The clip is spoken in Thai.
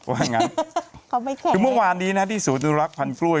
ว่างั้นเขาไม่เครียดคือเมื่อวานนี้นะที่ศูนย์อนุรักษ์พันธ์กล้วย